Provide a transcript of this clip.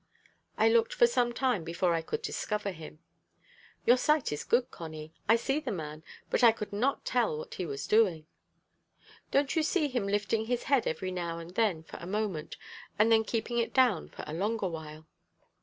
I looked for some time before I could discover him. "Your sight is good, Connie: I see the man, but I could not tell what he was doing." "Don't you see him lifting his head every now and then for a moment, and then keeping it down for a longer while?"